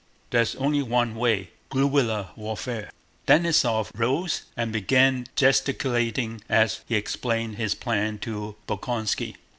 There's only one way—guewilla warfare!" Denísov rose and began gesticulating as he explained his plan to Bolkónski.